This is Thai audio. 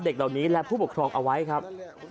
เด็กเดี๋ยวนี้และผู้ปลูกคลองเอาไว้นะครับ